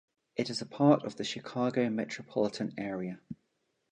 It is a part of the Chicago metropolitan area.